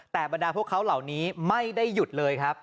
แต่บรรดาพวกเขาเหล่านี้ไม่ได้หยุดเลยครับ